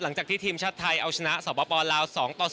หลังจากที่ทีมชาติไทยเอาชนะสปลาว๒ต่อ๐